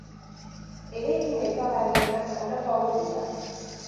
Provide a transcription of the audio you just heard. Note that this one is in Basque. Eraikin aipagarrienak honako hauek dira.